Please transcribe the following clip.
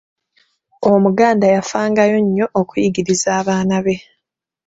Omuganda yafangayo nnyo okuyigiriza abaana be